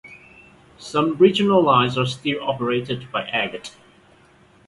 Some regional lines are still operated by Egged.